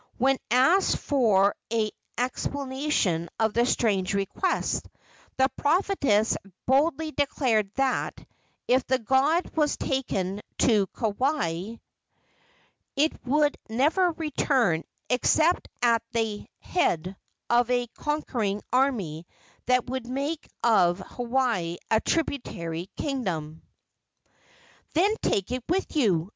When asked for an explanation of the strange request, the prophetess boldly declared that, if the god was taken to Kauai, it would never return except at the head of a conquering army that would make of Hawaii a tributary kingdom. "Then take it with you!"